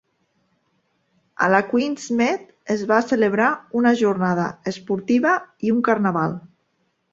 A la Queen's Mead es va celebrar una jornada esportiva i un carnaval.